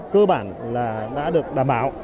cơ bản là đã được đảm bảo